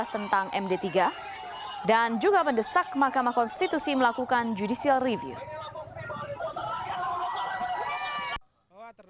tentang md tiga dan juga mendesak mahkamah konstitusi melakukan judicial review